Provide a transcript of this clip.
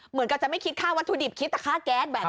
เหมือนกับจะไม่คิดค่าวัตถุดิบคิดแต่ค่าแก๊สแบบนี้